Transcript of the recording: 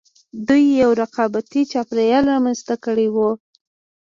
دوی یو رقابتي چاپېریال رامنځته کړی و